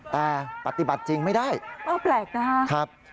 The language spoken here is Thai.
แต่ปฏิบัติจริงไม่ได้แปลกนะครับ